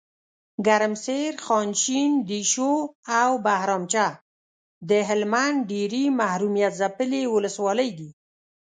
ګرمسیر، خانشین، دیشو اوبهرامچه دهلمند ډیري محرومیت ځپلي ولسوالۍ دي .